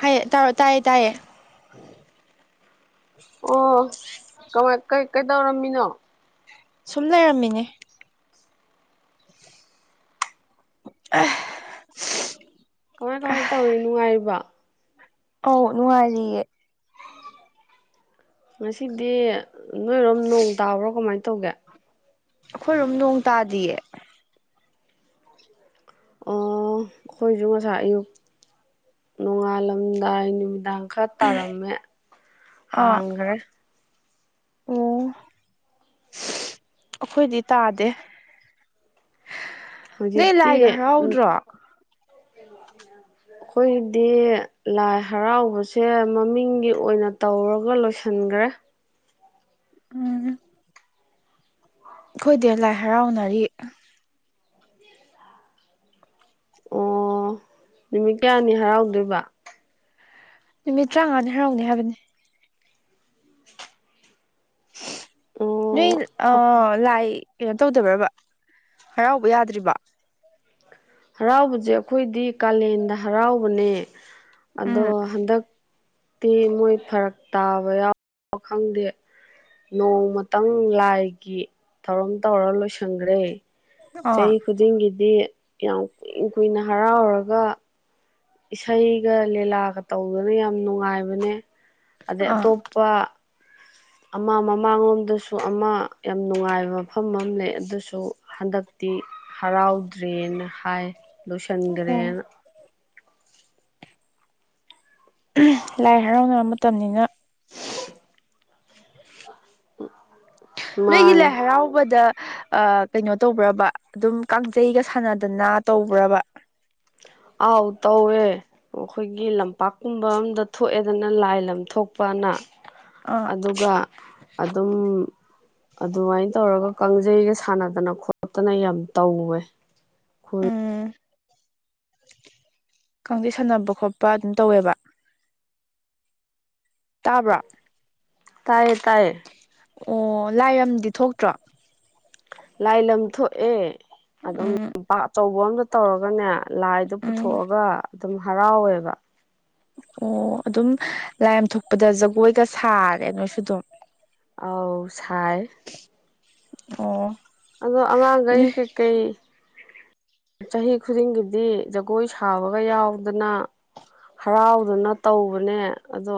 ꯍꯥꯏꯌꯦ ꯇꯥꯔꯣ ꯇꯥꯏꯌꯦ ꯇꯥꯏꯌꯦ ꯑꯣ ꯀꯃꯥꯏ ꯀ ꯩ ꯀꯩꯗꯧꯔꯝꯃꯤꯅꯣ ꯁꯨꯝ ꯂꯩꯔꯝꯃꯤꯅꯦ ꯑꯦ ꯀꯃꯥꯏ ꯀꯃꯥꯏ ꯇꯧꯔꯤ ꯅꯨꯡꯉꯥꯏꯔꯤꯕ ꯑꯥꯎ ꯅꯨꯡꯉꯥꯏꯔꯤꯌꯦ ꯉꯁꯤꯗꯤ ꯅꯣꯏꯔꯣꯝ ꯅꯣꯡ ꯇꯥꯕ꯭ꯔꯣ ꯀꯃꯥꯏ ꯇꯧꯒꯦ ꯑꯩꯈꯣꯏꯔꯣꯝ ꯅꯣꯡ ꯇꯥꯗꯤꯌꯦ ꯑꯣ ꯑꯩꯈꯣꯏꯁꯨ ꯉꯁꯥꯏ ꯑꯌꯨꯛ ꯅꯣꯡꯉꯥꯜꯂꯝꯗꯥꯏ ꯅꯨꯃꯤꯗꯥꯡ ꯈꯔ ꯇꯥꯔꯝꯃꯦ ꯑꯥ ꯍꯥꯡꯈ꯭ꯔꯦ ꯑꯣ ꯑꯩꯈꯣꯏꯗꯤ ꯇꯥꯗꯦ ꯅꯣꯏ ꯂꯥꯏꯒ ꯍꯔꯥꯎꯗ꯭ꯔꯣ [inaudible] ꯑꯩꯈꯣꯏꯒꯤꯗꯤ ꯂꯥꯏ ꯍꯔꯥꯎꯕꯁꯦ ꯃꯃꯤꯡꯒꯤ ꯑꯣꯏꯅ ꯇꯧꯔꯒ ꯂꯣꯏꯁ ꯁꯟꯈ꯭ꯔꯦ ꯎꯝ ꯑꯩꯈꯣꯏꯗꯤ ꯂꯥꯏ ꯍꯔꯥꯎꯅꯔꯤ ꯑꯣ ꯅꯨꯃꯤꯠ ꯀꯌꯥꯅꯤ ꯍꯔꯥꯎꯗꯣꯏꯕ ꯅꯨꯃꯤꯠ ꯇꯔꯥꯃꯉꯥꯅꯤ ꯍꯔꯥꯎꯅꯤ ꯍꯥꯏꯕꯅꯦ ꯑꯣ ꯅꯣꯏ ꯑ ꯂꯥꯏ ꯀꯩꯅꯣ ꯇꯧꯗꯕ꯭ꯔꯕ ꯍꯔꯥꯎꯕ ꯌꯥꯗ꯭ꯔꯤꯕ ꯍꯔꯥꯎꯕꯁꯦ ꯑꯩꯈꯣꯏꯗꯤ ꯀꯥꯂꯦꯟꯗ ꯍꯔꯥꯎꯕꯅꯦ ꯑꯗꯣ ꯎꯝ ꯍꯟꯗꯛ ꯇꯤ ꯃꯣꯏ ꯐꯔꯛ ꯇꯥꯕ ꯌꯥꯎ ꯈꯪꯗꯦ ꯅꯣꯡꯃꯇꯪ ꯂꯥꯏꯒꯤ ꯊꯧꯔꯝ ꯇꯧꯔ ꯂꯣꯏꯁꯟꯒ꯭ꯔꯦ ꯑꯥ ꯆꯍꯤ ꯈꯨꯗꯤꯡꯒꯤꯗꯤ ꯌꯥꯝ ꯀꯨꯏ ꯀꯨꯏꯅ ꯍꯔꯥꯎꯔꯒ ꯏꯁꯩꯒ ꯂꯤꯂꯥꯒ ꯇꯧꯗꯅ ꯌꯥꯝ ꯅꯨꯡꯉꯥꯏꯕꯅꯦ ꯑꯗꯩ ꯑꯥ ꯑꯇꯣꯞꯄ ꯑꯃ ꯃꯃꯥꯡꯂꯣꯝꯗꯁꯨ ꯑꯃ ꯌꯥꯝ ꯅꯨꯡꯉꯥꯏꯕ ꯃꯐꯝ ꯑꯃ ꯂꯩ ꯑꯗꯨꯁꯨ ꯍꯟꯗꯛ ꯇꯤ ꯍꯔꯥꯎꯗ꯭ꯔꯦꯅ ꯍꯥꯏ ꯑꯣ ꯂꯣꯏꯁꯟꯒ꯭ꯔꯦꯅ ꯂꯥꯏ ꯍꯔꯥꯎꯅꯕ ꯃꯇꯝꯅꯤꯅ [inaudible] ꯎꯝ ꯅꯣꯏꯒꯤ ꯂꯥꯏ ꯍꯔꯥꯎꯕꯗ ꯑ ꯀꯩꯅꯣ ꯇꯧꯕ꯭ꯔꯕ ꯑꯗꯨꯝ ꯀꯥꯡꯖꯩꯒ ꯁꯥꯟꯅꯗꯅ ꯇꯧꯕ꯭ꯔꯕ [inaudible] ꯑꯥꯎ ꯇꯧꯋꯦ ꯑꯩꯈꯣꯏꯒꯤ ꯂꯝꯄꯥꯛꯀꯨꯝꯕ ꯑꯝꯗ ꯊꯣꯛꯑꯦꯗꯅ ꯂꯥꯏ ꯂꯝ ꯊꯣꯛꯄꯅ ꯑꯥ ꯑꯗꯨꯒ ꯑꯗꯨꯝ ꯑꯗꯨꯃꯥꯏꯅ ꯇꯧꯔꯒ ꯀꯥꯡꯖꯩꯒ ꯁꯥꯟꯅꯗꯅ ꯈꯣꯠꯇꯅ ꯌꯥꯝ ꯇꯧꯋꯦ ꯈꯣꯏ ꯎꯝ ꯀꯥꯡꯖꯩ ꯁꯥꯟꯅꯕ ꯈꯣꯠꯄ ꯑꯗꯨꯝ ꯇꯧꯋꯦꯕ ꯇꯥꯕ꯭ꯔꯥ ꯇꯌꯦ ꯇꯥꯏꯌꯦ ꯑꯣ ꯂꯥꯏꯔꯝꯗꯤ ꯊꯣꯛꯇ꯭ꯔꯣ ꯂꯥꯏ ꯂꯝ ꯊꯣꯛꯑꯦ ꯑꯗꯨꯝ ꯎꯝ ꯄꯥꯛ ꯑꯆꯧꯕ ꯑꯝꯇ ꯇꯧꯔꯒꯅꯦ ꯂꯥꯏꯗꯣ ꯎꯝ ꯄꯨꯊꯣꯛꯑꯒ ꯑꯗꯨꯝ ꯍꯔꯥꯎꯋꯦꯕ ꯑꯣ ꯑꯗꯨꯝ ꯂꯥꯏꯝ ꯊꯣꯛꯄꯗ ꯖꯒꯣꯏꯒ ꯁꯥꯔꯦ ꯅꯣꯏꯁꯨ ꯑꯗꯨꯝ ꯑꯥꯎ ꯁꯥꯏ ꯑꯣ ꯑꯗꯣ ꯑꯉꯥꯡꯈꯩ ꯀꯩꯀꯩ ꯆꯍꯤ ꯈꯨꯗꯤꯡꯒꯤꯗꯤ ꯖꯒꯣꯏ ꯁ ꯊꯥꯕꯒ ꯌꯥꯎꯗꯅ ꯍꯔꯥꯎꯗꯅ ꯇꯧꯕꯅꯦ ꯑꯗꯣ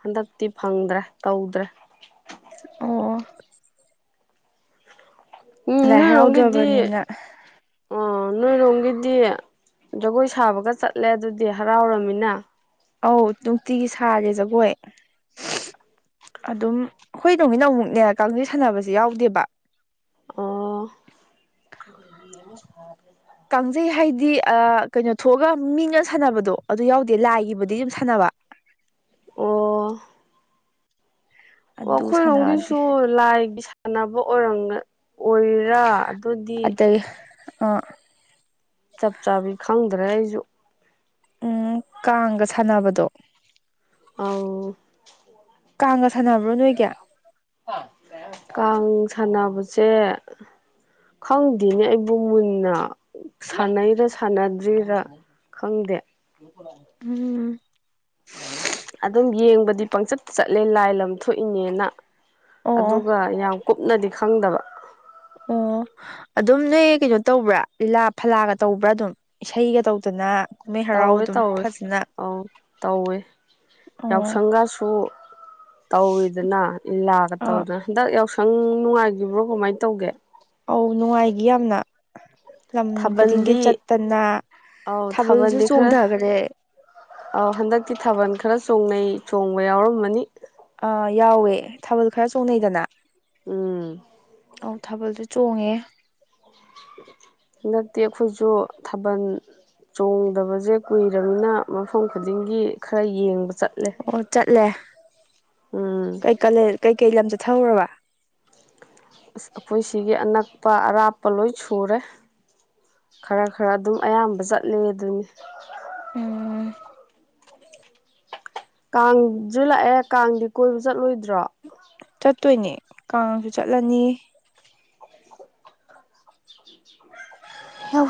ꯍꯟꯗꯛꯇꯤ ꯐꯪꯗ꯭ꯔꯦ ꯇꯧꯗ꯭ꯔꯦ ꯑꯣ ꯑꯣ ꯎꯝ ꯂꯥꯏ ꯅꯣꯏꯔꯣꯝꯒꯤꯗꯤ ꯍꯔꯥꯎꯗ꯭ꯔꯕꯅꯤꯅ ꯑ ꯅꯣꯢꯔꯣꯝꯒꯤꯗꯤ ꯖꯒꯣꯏ ꯁꯥꯕꯒ ꯆꯠꯂꯦ ꯑꯗꯨꯗꯤ ꯍꯔꯥꯎꯔꯃꯤꯅ ꯑꯧ ꯅꯨꯡꯇꯤꯒꯤ ꯁꯥꯔꯦ ꯖꯒꯣꯏ ꯑꯗꯨꯝ ꯑꯩꯈꯣꯏ ꯔꯣꯝꯒꯤꯅ ꯑꯃꯨꯛꯅꯦ ꯀꯥꯡꯖꯩ ꯁꯥꯟꯅꯕꯗꯤ ꯌꯥꯎꯗꯦꯕ ꯑꯣ ꯀꯥꯡꯖꯩ ꯍꯥꯏꯗꯤ ꯑ ꯀꯩꯅꯣ ꯊꯣꯛꯑꯒ ꯃꯤꯅ ꯁꯥꯟꯅꯕꯗꯣ ꯑꯗꯨ ꯌꯥꯎꯗꯦ ꯂꯥꯏꯒꯤꯕꯨꯗꯤ ꯑꯗꯨꯨꯝ ꯁꯥꯟꯅꯕ ꯑꯣ ꯑꯣ ꯑꯗꯨ ꯁꯥꯟꯅꯗꯦ ꯑꯈꯣꯏꯔꯣꯝꯒꯤꯁꯨ ꯂꯥꯏꯒꯤ ꯁꯥꯟꯅꯕ ꯑꯣꯏꯔꯝꯒ ꯑꯣꯏꯔꯤꯔꯥ ꯑꯗꯨꯗꯤ ꯑꯗꯩ ꯑ ꯑꯗ ꯑꯩꯖ ꯎꯝ ꯀꯥꯡꯒ ꯁꯥꯟꯅꯕꯗꯣ ꯑꯧ ꯀꯥꯡꯒ ꯁꯥꯟꯅꯕ꯭ꯔꯣ ꯅꯣꯏꯒꯤ ꯀꯥꯡ ꯁꯥꯟꯅꯕꯁꯦ ꯈꯪꯗꯦꯅꯦ ꯑꯩꯕꯨ ꯃꯨꯟꯅ ꯁꯥꯟꯅꯩꯔꯥ ꯁꯥꯟꯅꯗ꯭ꯔꯤꯔꯥ ꯈꯪꯗꯦ ꯎꯝ ꯑꯗꯨꯝ ꯌꯦꯡꯕꯗꯤ ꯄꯪꯆꯠꯇ ꯆꯠꯂꯦ ꯂꯥꯏ ꯂꯝ ꯊꯣꯛꯏꯅꯦꯅ ꯑꯣ ꯑꯣ ꯑꯗꯨꯒ ꯌꯥꯝ ꯀꯨꯞꯅꯗꯤ ꯈꯪꯗꯕ ꯑꯣ ꯑꯗꯨꯝ ꯅꯣꯏ ꯀꯩꯅꯣ ꯇꯧꯕ꯭ꯔꯥ ꯂꯤꯂꯥ ꯐꯂꯥꯒ ꯇꯧꯕ꯭ꯔꯥ ꯑꯗꯨꯝ ꯏꯁꯩꯒ ꯇꯧꯗꯅ ꯀꯨꯝꯍꯩ ꯍꯔꯥꯎ ꯇꯧꯋꯦ ꯑꯗꯨꯝ ꯇꯧꯋꯦ ꯐꯖꯅ ꯑꯧ ꯇꯧꯋꯦ ꯑꯣ ꯌꯥꯎꯁꯪꯒꯁꯨ ꯇꯧꯋꯤꯗꯅ ꯂꯤꯂꯥꯒ ꯑꯥ ꯇꯧꯗꯅ ꯍꯟꯗꯛ ꯌꯥꯎꯁꯪ ꯅꯨꯡꯉꯥꯏꯈꯤꯕ꯭ꯔꯣ ꯀꯃꯥꯏꯅ ꯇꯧꯒꯦ ꯑꯧ ꯅꯨꯡꯉꯥꯏꯒꯤꯌꯦ [inaudible] ꯂꯝ ꯈꯨꯗꯤꯡꯒꯤ ꯊꯥꯕꯜꯗꯤ ꯆꯠꯇꯅ ꯑꯧ ꯊꯥꯕꯜꯁꯨ ꯆꯣꯡꯗꯈ꯭ꯔꯦ ꯑ ꯍꯟꯗꯛꯇꯤ ꯊꯥꯕꯜ ꯈꯔ ꯆꯣꯡꯅꯩ ꯆꯣꯡꯕ ꯌꯥꯎꯔꯝꯃꯅꯤ ꯑꯥ ꯌꯥꯎꯋꯦ ꯊꯥꯕꯜ ꯈꯔ ꯆꯣꯡꯅꯩꯗꯅ ꯎꯝ ꯑꯧ ꯊꯥꯕꯜꯁꯨ ꯆꯣꯡꯉꯦ ꯇꯤ ꯑꯩꯈꯣꯏꯁꯨ ꯊꯥꯕꯜ ꯆꯣꯡꯗꯕꯁꯦ ꯀꯨꯏꯔꯕꯅꯤꯅ ꯃꯐꯝ ꯈꯨꯗꯤꯡꯒꯤ ꯈꯔ ꯌꯦꯡꯕ ꯆꯠꯂꯦ ꯎꯝ ꯩ ꯀꯩ ꯀꯂꯦ ꯀꯩꯀꯩ ꯂꯝ ꯆꯠꯊꯔꯨꯔꯕ ꯑꯁꯑꯩꯈꯣꯏ ꯁꯤꯒꯤ ꯑꯅꯛꯄ ꯑꯔꯥꯞꯄ ꯂꯣꯏ ꯁꯨꯔꯦ ꯈꯔ ꯈꯔ ꯑꯗꯨꯝ ꯑꯌꯥꯝꯕ ꯆꯠꯂꯦ ꯑꯗꯨꯅꯤ ꯑꯝ ꯀꯥꯡꯁꯨ ꯂꯥꯛꯑꯦ ꯀꯥꯡꯗꯤ ꯀꯣꯏꯕ ꯆꯠꯂꯣꯏꯗ꯭ꯔꯣ ꯎꯠꯇꯣꯏꯅꯦ ꯀꯥꯡꯁꯨ ꯆꯠꯂꯅꯤ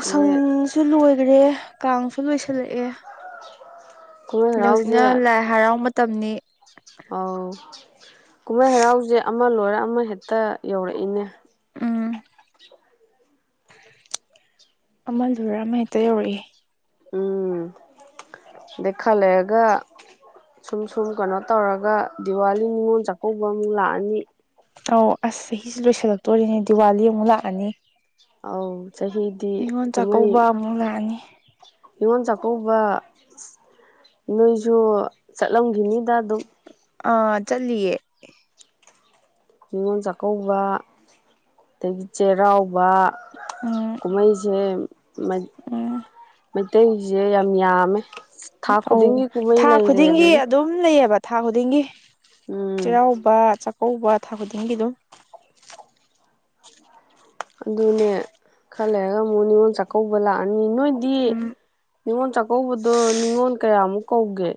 ꯑꯗꯩ ꯂꯣꯏꯒ꯭ꯔꯦ ꯀꯥꯡꯁꯨ ꯂꯣꯏꯁꯤꯜꯂꯛꯑꯦ ꯀꯨꯝꯍꯩ ꯍꯧꯖꯤꯛꯅ ꯍꯔꯥꯎꯁꯦ ꯂꯥꯏ ꯍꯔꯥꯎ ꯃꯇꯝꯅꯤ ꯑꯧ ꯀꯨꯝꯍꯩ ꯍꯔꯥꯎꯁꯦ ꯑꯃ ꯂꯣꯏꯔ ꯑꯃ ꯍꯦꯛꯇ ꯌꯧꯔꯛꯏꯅꯦ ꯎꯝ ꯑꯃ ꯂꯣꯏꯔ ꯑꯃ ꯍꯦꯛꯇ ꯌꯧꯔꯛ ꯏ ꯎꯝ ꯗꯩ ꯈꯥꯔ ꯂꯩꯔꯒ ꯁꯨꯝ ꯁꯨꯝ ꯀꯩꯅꯣ ꯇꯧꯔꯒ ꯗꯤꯋꯥꯂꯤ ꯅꯤꯉꯣꯜ ꯆꯥꯛꯀꯧꯕ ꯑꯃꯨꯛ ꯂꯥꯛꯑꯅꯤ ꯑꯧ ꯑꯁ ꯆꯍꯤꯁꯨ ꯂꯣꯏꯁꯜꯂꯛꯇꯣꯔꯤꯅꯦ ꯗꯤꯋꯥꯂꯤ ꯑꯃꯨꯛ ꯂꯥꯛꯑꯅꯤ ꯑꯧ ꯆꯍꯤꯗꯤ ꯅꯤꯉꯣꯜ ꯀꯨꯝꯍꯩ ꯆꯥꯛꯀꯧꯕ ꯑꯃꯨꯛ ꯂꯥꯛꯑꯅꯤ ꯍꯅꯤꯉꯣꯜ ꯆꯥꯛꯀꯧꯕ ꯅꯣꯏꯁꯨ ꯆꯠꯂꯝꯈꯤꯅꯤꯗ ꯑꯗꯨꯝ ꯑꯥ ꯆꯠꯂꯤꯌꯦ ꯅꯤꯉꯣꯜ ꯆꯥꯛꯀꯧꯕ ꯑꯗꯒꯤ ꯆꯩꯔꯥꯎꯕ ꯎꯝ ꯀꯨꯝꯍꯩꯁꯦ ꯃꯩ ꯎꯝ ꯃꯩꯇꯩꯁꯦ ꯌꯥꯝ ꯌꯥꯝꯃꯦ ꯊꯥ ꯑꯣ ꯈꯨꯗꯤꯡꯒꯤ ꯀꯨꯝꯍꯩ ꯊꯥ ꯂꯩꯔꯦ ꯈꯨꯗꯤꯡꯒꯤ ꯑꯗꯨꯅꯤ ꯑꯗꯨꯝ ꯂꯩꯌꯦꯕ ꯊꯥ ꯈꯨꯗꯤꯡꯒꯤ ꯎꯝ ꯆꯩꯔꯥꯎꯕ ꯆꯥ ꯀꯧꯕ ꯊꯥ ꯈꯨꯗꯤꯡꯒꯤ ꯑꯗꯨꯝ ꯑꯗꯨꯅꯦ ꯈꯔ ꯂꯩꯔꯒ ꯑꯃꯨꯛ ꯅꯤꯉꯣꯜ ꯆꯥꯛꯀꯧꯕ ꯂꯥꯛ ꯑꯅꯤ ꯅꯣꯏꯗꯤ ꯎꯝ ꯅꯤꯉꯣꯜ ꯆꯥꯛꯀꯧꯕꯗꯣ ꯅꯤꯉꯣꯜ ꯀꯌꯥꯃꯨꯛ ꯀꯧꯒꯦ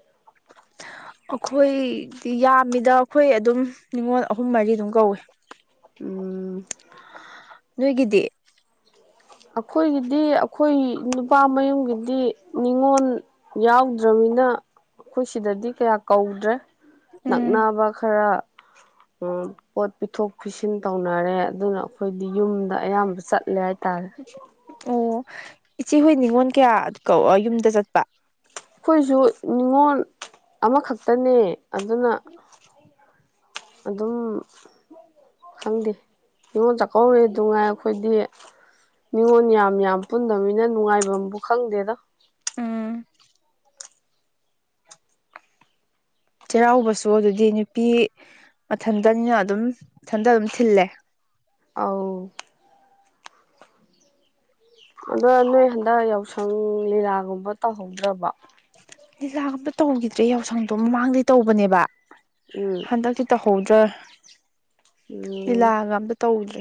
ꯑꯩꯈꯣꯏꯗꯤ ꯌꯥꯝꯃꯤꯗ ꯑꯩꯈꯣꯏ ꯑꯗꯨꯝ ꯅꯤꯉꯣꯜ ꯑꯍꯨꯝ ꯃꯔꯤ ꯑꯗꯨꯝ ꯀꯧꯋꯦ ꯎꯝ ꯅꯣꯏꯒꯤꯗꯤ ꯑꯩꯈꯣꯏꯒꯤꯗꯤ ꯑꯩꯈꯣꯏ ꯅꯨꯄꯥ ꯃꯌꯨꯝꯒꯤꯗꯤ ꯅꯤꯉꯣꯟ ꯌꯥꯎꯗ꯭ꯔꯅꯤꯅ ꯑꯩꯈꯣꯏ ꯁꯤꯗꯗꯤ ꯀꯌꯥ ꯀꯧꯗ꯭ꯔꯦ ꯎꯝ ꯅꯛꯅꯕ ꯈꯔ ꯎꯝ ꯄꯣꯠ ꯄꯤꯊꯣꯛ ꯄꯤꯁꯤꯟ ꯇꯧꯅꯔꯦ ꯑꯗꯨꯅ ꯑꯩꯈꯣꯏꯗꯤ ꯌꯨꯝꯗ ꯑꯌꯥꯝꯕ ꯆꯠꯂꯦ ꯍꯥꯏꯇꯥꯔꯦ ꯑꯣ ꯏꯆꯦꯍꯣꯏ ꯅꯤꯉꯣꯟꯜ ꯀꯌꯥ ꯀꯧ ꯌꯨꯝꯗ ꯆꯠꯄ ꯑꯩꯈꯣꯏꯁꯨ ꯅꯤꯉꯣꯜ ꯑꯃꯈꯛꯇꯅꯦ ꯑꯗꯨꯅ ꯑꯗꯨꯝ ꯈꯪꯗꯦ ꯅꯤꯉꯣꯟ ꯆꯥꯛꯀꯧꯔꯦ ꯗꯨꯉꯥꯏ ꯑꯩꯈꯣꯏꯗꯤ ꯅꯤꯉꯣꯟꯜ ꯌꯥꯝ ꯌꯥꯝ ꯄꯨꯟꯗꯕꯅꯤꯅ ꯅꯨꯡꯉꯥꯏꯕꯝꯕꯨ ꯈꯪꯗꯦꯗ ꯎꯝ [inaudible] ꯆꯩꯔꯥꯎꯕꯁꯨ ꯑꯗꯨꯗꯤ ꯅꯨꯄꯤ ꯃꯊꯟꯇꯅꯤꯅ ꯑꯗꯨꯝ ꯃꯊꯟꯗ ꯑꯗꯨꯝ ꯊꯤꯜꯂꯦ ꯑꯥꯎ ꯑꯗꯣ ꯅꯣꯏ ꯍꯟꯗꯛ ꯌꯥꯎꯁꯪ ꯂꯤꯂꯥꯒꯨꯝꯕ ꯇꯧꯍꯧꯗ꯭ꯔꯕ ꯂꯤꯂꯥꯒ ꯑꯝꯇ ꯇꯧꯈꯤꯗ꯭ꯔꯦ ꯌꯥꯎꯁꯪꯗꯣ ꯃꯃꯥꯡꯗꯗꯤ ꯇꯧꯕꯅꯦꯕ ꯎꯝ ꯍꯟꯗꯛꯇꯛꯇꯤ ꯇꯧꯍꯧꯗ꯭ꯔ ꯎꯝ ꯂꯤꯂꯥꯒ ꯑꯝꯇ ꯇꯧꯗ꯭ꯔꯦ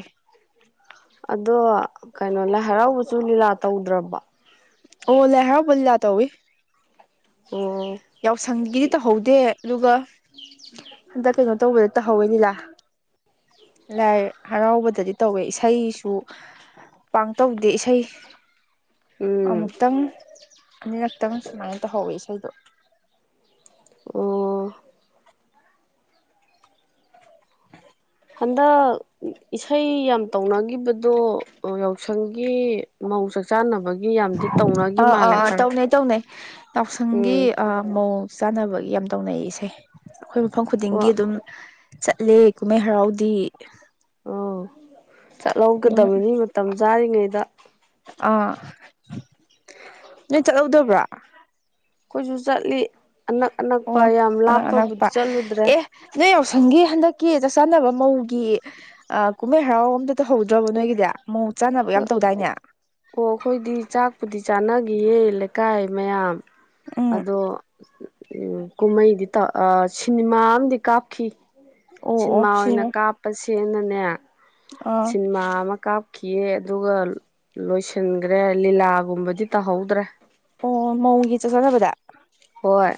ꯑꯗꯣ ꯀꯩꯅꯣ ꯂꯥꯏ ꯍꯔꯥꯎꯕꯁꯨ ꯂꯤꯂꯥ ꯇꯧꯗ꯭ꯔꯕꯣ ꯑꯣ ꯂꯥꯏ ꯍꯔꯥꯎꯕ ꯂꯤꯂꯥ ꯇꯧꯋꯤ ꯑꯣ ꯌꯥꯎꯁꯪꯒꯤꯗꯤ ꯇꯧꯍꯧꯗꯦ ꯑꯗꯨꯒ ꯍꯟꯗꯛ ꯀꯩꯅꯣ ꯇꯧꯕꯗ ꯇꯧꯍꯧꯋꯦ ꯂꯤꯂꯥ ꯂꯥꯏ ꯍꯔꯥꯎꯕꯗꯗꯤ ꯇꯧꯋꯦ ꯏꯁꯩꯁꯨ ꯄꯥꯡꯇꯧꯗꯦ ꯏꯁꯩ ꯎꯝ ꯑꯃꯨꯛꯇꯪ ꯑꯅꯤꯔꯛꯇꯪ ꯁꯨꯃꯥꯏꯅ ꯇꯧꯍꯧꯋꯦ ꯏꯁꯩꯗꯣ ꯑꯣ ꯍꯟꯗꯛ ꯏꯁꯩ ꯌꯥꯝ ꯇꯧꯅꯈꯤꯕꯗꯣ ꯌꯥꯎꯁꯪꯒꯤ ꯃꯧ ꯆꯥꯛꯆꯅꯕ ꯑꯥ ꯑꯥ ꯑꯥ ꯇꯧꯅꯩ ꯇꯧꯅꯩ ꯌꯥꯎꯁꯪꯒꯤ ꯎꯝ ꯑ ꯃꯧ ꯆꯥꯅꯕꯒꯤ ꯌꯥꯝ ꯇꯧꯅꯩ ꯏꯁꯩ ꯑꯩꯈꯣꯏ ꯃꯐꯝ ꯈꯨꯗꯤꯡꯒꯤ ꯑꯣ ꯑꯗꯨꯝ ꯆꯠꯂꯦ ꯀꯨꯝꯍꯩ ꯍꯔꯥꯎꯗꯤ ꯑꯣ ꯑꯗꯨꯝ ꯆꯠꯍꯧꯒꯗꯕꯅꯤ ꯃꯇꯝ ꯆꯥꯔꯤꯉꯩꯗ ꯑꯥ ꯅꯣꯏ ꯆꯠꯍꯧꯗꯕ꯭ꯔꯥ ꯑꯩꯈꯣꯏꯁꯨ ꯆꯠꯂꯤ ꯑꯅꯛ ꯑꯅꯛꯄ ꯑꯣ ꯌꯥꯝ ꯑꯅꯛ ꯂꯥꯞꯄꯕꯨꯗꯤ ꯑꯅꯛꯄ ꯆꯠꯂꯨꯗ꯭ꯔꯦ ꯑꯦ ꯅꯣꯏ ꯌꯥꯎꯁꯪꯒꯤ ꯍꯟꯗꯛ ꯀꯦ ꯆꯛꯆꯥꯥꯟꯅꯕ ꯃꯧꯒꯤ ꯑ ꯀꯨꯝꯍꯩ ꯍꯔꯥꯎ ꯑꯝꯇ ꯇꯧꯍꯧꯗ꯭ꯔꯕ ꯅꯣꯏꯒꯤꯖꯦ ꯃꯧ ꯆꯆꯥꯅꯕ ꯌꯥꯝ ꯑꯩꯈꯣꯏ ꯇꯧꯗꯥꯏꯅꯦ ꯆꯥꯟꯅꯈꯤꯌꯦ ꯂꯩꯀꯥꯏ ꯃꯌꯥꯝ ꯎꯝ ꯑꯗꯣ ꯎꯝ ꯀꯨꯝꯍꯩꯗꯤ ꯇꯧ ꯑ ꯁꯤꯟꯃꯥ ꯑꯝꯗꯤ ꯀꯥꯞꯈꯤ ꯑꯣ ꯑꯣ ꯁꯤꯟꯃꯥ ꯑꯣꯏꯅ ꯁꯤꯅꯦ ꯀꯥꯞꯄꯁꯤꯅꯅꯦ ꯑꯥ ꯁꯤꯟꯃꯥ ꯑꯃ ꯀꯥꯞ ꯈꯤꯌꯦ ꯑꯗꯨꯒ ꯂꯣꯏꯁꯤꯟꯈ꯭ꯔꯦ ꯂꯤꯂꯥꯒꯨꯝꯕꯗꯤ ꯇꯧꯍꯧꯗ꯭ꯔꯦ ꯑꯣ ꯃꯧꯒꯤ ꯆꯥꯛ ꯆꯥꯟꯅꯕꯗ ꯍꯣꯏ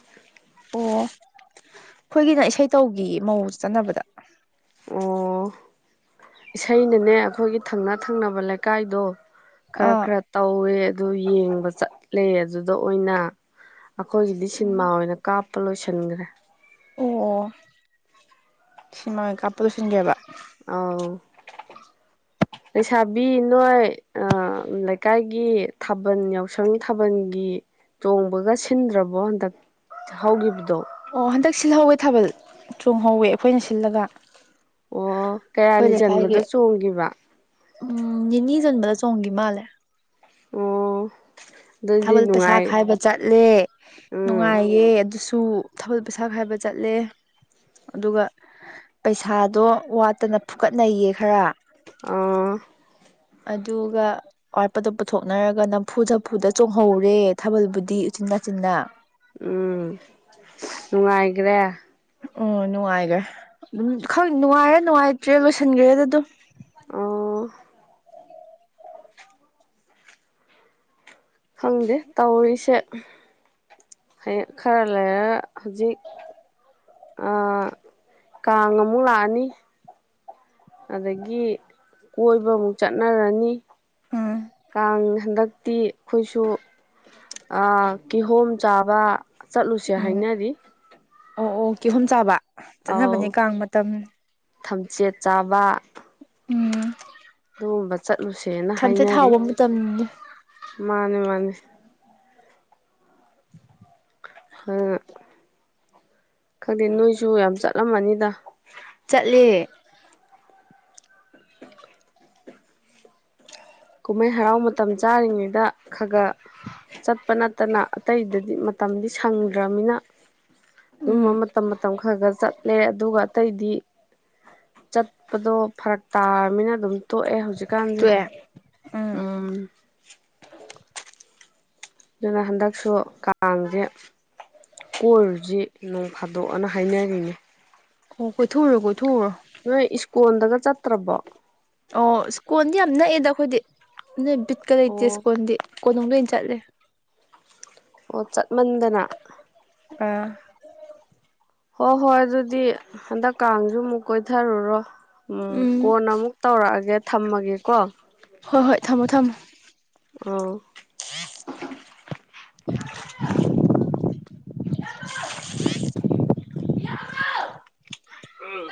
ꯑꯣ ꯑꯩꯈꯣꯏꯒꯤꯅ ꯏꯁꯩ ꯇꯧꯒꯤꯌꯦ ꯃꯧ ꯆꯥꯛ ꯆꯥꯟꯅꯕꯗ ꯑꯣ ꯏꯁꯩꯅꯅꯦ ꯑꯩꯈꯣꯏꯒꯤ ꯊꯪꯅ ꯊꯪꯅꯕ ꯂꯩꯀꯥꯏꯗꯣ ꯈꯔ ꯑꯥ ꯈꯔ ꯇꯧꯋꯦ ꯑꯗꯨ ꯌꯦꯡꯕ ꯆꯠꯂꯦ ꯑꯗꯨꯗ ꯑꯣꯏꯅ ꯑꯩꯈꯣꯏꯒꯤꯗꯤ ꯁꯤꯟꯃꯥ ꯑꯣꯏꯅ ꯀꯥꯞꯄ ꯂꯣꯏꯁꯤꯟꯈ꯭ꯔꯦ ꯑꯣ ꯑꯣ ꯁꯤꯃꯥ ꯑꯣꯢ ꯀꯥꯞꯊꯣꯛ ꯆꯤꯡꯉꯦꯕ ꯑꯧ ꯂꯩꯁꯥꯕꯤ ꯅꯣꯏ ꯑꯥ ꯂꯩꯀꯥꯏꯒꯤ ꯊꯥꯕꯜ ꯌꯥꯎꯁꯪ ꯊꯥꯕꯜꯒꯤ ꯆꯣꯡꯕꯒ ꯁꯤꯟꯗ꯭ꯔꯕꯣ ꯍꯟꯗꯛ ꯍꯧꯈꯤꯕꯗꯣ ꯑꯣ ꯍꯟꯗꯛ ꯁꯤꯜꯍꯧꯋꯦ ꯊꯥꯕꯜ ꯆꯣꯡꯍꯧꯋꯦ ꯑꯩꯈꯣꯏꯅ ꯁꯤꯜꯂꯒ ꯑꯣ ꯀꯌꯥꯅꯤ ꯆꯟꯕꯗ ꯆꯣꯡꯒꯤꯕ ꯑꯥ ꯅꯤꯅꯤ ꯆꯟꯕꯗ ꯆꯣꯡꯒꯤ ꯃꯥꯜꯂꯦ ꯑꯣ ꯑꯗꯨꯗꯤ ꯊꯥꯕꯜ ꯄꯩꯁꯥ ꯅꯨꯡꯉꯥꯏ ꯈꯥꯏꯕ ꯆꯠꯂꯦ ꯎꯝ ꯅꯨꯡꯉꯥꯏꯌꯦ ꯑꯗꯨꯁꯨ ꯁꯨ ꯊꯥꯕꯜ ꯄꯩꯁꯥ ꯈꯥꯏꯕ ꯆꯠꯂꯦ ꯑꯗꯨꯒ ꯄꯩꯁꯥꯗꯣ ꯋꯥꯠꯇꯅ ꯐꯨꯀꯠꯅꯩꯌꯦ ꯈꯔ ꯑꯥ ꯑꯗꯨꯒ ꯑꯋꯥꯠꯄꯗꯣ ꯄꯨꯊꯣꯛꯅꯔꯒ ꯅꯝꯐꯨ ꯁꯥꯐꯨꯗ ꯆꯣꯡꯍꯧꯔꯦ ꯊꯥꯕꯜꯕꯨꯗꯤ ꯆꯤꯟ ꯅꯥꯆꯤꯟꯅ ꯎꯝ ꯅꯨꯡꯉꯥꯏꯒ꯭ꯔꯦ ꯑꯣ ꯅꯨꯡꯉꯥꯏꯒ꯭ꯔꯦ ꯑꯗꯨꯝ ꯈꯪ ꯅꯨꯡꯉꯥꯏꯔ ꯅꯨꯡꯉꯥꯏꯇ꯭ꯔꯤꯔ ꯂꯣꯏꯁꯤꯟꯈꯒ꯭ꯔꯦꯗ ꯑꯗꯨꯝ ꯑꯣ ꯈꯪꯗꯦ ꯇꯧꯔꯤꯁꯦ ꯍꯌꯦ ꯈꯔ ꯂꯩꯔ ꯍꯧꯖꯤꯛ ꯑꯥ ꯀꯥꯡ ꯑꯃꯨꯛ ꯂꯥꯛꯑꯅꯤ ꯑꯗꯒꯤ ꯀꯣꯏꯕꯃꯨꯛ ꯆꯠꯅꯔꯅꯤ ꯎꯝ ꯀꯥꯡ ꯍꯟꯗꯛꯇꯤ ꯈꯣꯏꯁꯨ ꯑ ꯀꯤꯍꯣꯝ ꯆꯥꯕ ꯆꯠꯂꯨꯁꯦ ꯎꯝ ꯍꯥꯏꯅꯔꯤ ꯑꯣ ꯑꯣ ꯀꯤꯍꯣꯝ ꯆꯥꯕ ꯆꯠꯅꯕꯅꯦ ꯑꯧ ꯀꯥꯡ ꯃꯇꯝ ꯊꯝꯆꯦꯠ ꯆꯥꯕ ꯎꯝ ꯂꯨꯁꯦꯅ ꯊꯝꯆꯦꯠ ꯍꯥꯏꯅꯔꯤ ꯍꯥꯎꯕ ꯃꯇꯝ ꯃꯥꯅꯦ ꯃꯥꯅꯦ [unintelligible] ꯈꯪꯗꯦ ꯅꯣꯏꯁꯨ ꯌꯥꯝ ꯆꯠꯂꯝꯃꯅꯤꯗ ꯆꯠꯂꯦ ꯀꯨꯝꯍꯩ ꯍꯔꯥꯎ ꯃꯇꯝ ꯆꯥꯔꯤꯉꯩꯗ ꯈꯒ ꯆꯠꯄꯅ ꯇꯅ ꯑꯇꯩꯗꯗꯤ ꯃꯇꯝꯗꯤ ꯁꯪꯗ꯭ꯔꯝꯅꯤꯅ ꯑꯗꯨꯝꯕ ꯃꯇꯝ ꯃꯇꯝ ꯈ꯭ꯔ ꯒ꯭ꯔ ꯆꯠꯂꯦ ꯑꯗꯨꯒ ꯑꯇꯩꯗꯤ ꯆꯠꯄꯗꯣ ꯐꯔꯛ ꯇꯥꯔꯕꯅꯤꯅ ꯑꯗꯨꯝ ꯇꯣꯛꯑꯦ ꯍꯧꯖꯤꯛꯀꯥꯟꯁꯦ ꯇꯨꯑꯦ ꯎꯝ ꯑꯝ ꯑꯗꯨꯅ ꯍꯟꯗꯛꯁꯨ ꯀꯥꯡꯖꯦ ꯀꯣꯢꯔꯨꯁꯤ ꯅꯣꯡ ꯐꯥꯗꯣꯛꯑꯅ ꯍꯥꯏꯅꯔꯤꯅꯦ ꯑꯣ ꯀꯣꯏꯊꯣꯛꯎꯔꯣ ꯀꯣꯏꯊꯣꯛꯎꯔꯣ ꯅꯣꯏ ꯏꯁꯀꯣꯟꯗꯒ ꯆꯠꯇ꯭ꯔꯕꯣ ꯑꯣ ꯁ꯭ꯀꯣꯟꯗꯤ ꯌꯥꯝ ꯅꯛꯑꯦꯗ ꯑꯈꯣꯏꯗꯤ ꯑꯗꯨꯅ ꯕꯤꯠꯀ ꯂꯩꯇꯦ ꯑꯣ ꯁ꯭ꯀꯣꯟꯗꯤ ꯀꯣꯅꯨꯡꯗ ꯑꯣꯏꯅ ꯆꯠꯂꯦ ꯑꯣꯛ ꯆꯠꯃꯟꯗꯅ ꯑꯥ ꯍꯣ ꯍꯣꯏ ꯑꯗꯨꯗꯤ ꯍꯟꯗꯛ ꯀꯥꯡꯁꯨ ꯑꯃꯨꯛ ꯀꯣꯏꯊꯔꯨꯔꯣ ꯎꯝ ꯀꯣꯟꯅ ꯑꯃꯨꯛ ꯇꯧꯔꯛꯑꯒꯦ ꯊꯝꯃꯒꯦꯀꯣ ꯍꯣꯍꯣꯏ ꯊꯝꯃꯣ ꯊꯝꯃꯣ ꯑꯧ [inaudible] [inaudible] [unintelligible]